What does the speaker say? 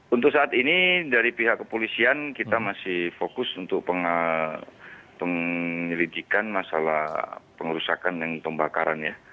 untuk saat ini dari pihak kepolisian kita masih fokus untuk penyelidikan masalah pengerusakan dan pembakaran ya